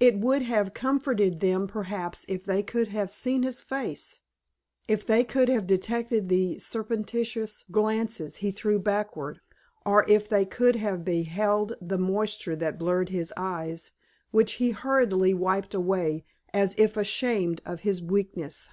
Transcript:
It would have comforted them perhaps if they could have seen his face; if they could have detected the surreptitious glances he threw backward, or if they could have beheld the moisture that blurred his eyes, which he hurriedly wiped away as if ashamed of his weakness.